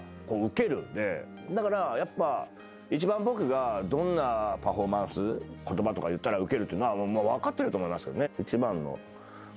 だからやっぱ一番僕がどんなパフォーマンス言葉とか言ったらウケるってのは分かってると思いますけどね。